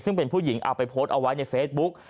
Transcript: ซึ่งเป็นผู้หญิงเอาไปโพสต์เอาไว้ในเฟซบุ๊ก